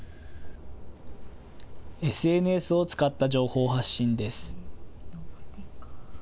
ＳＮＳを使った情報発信です。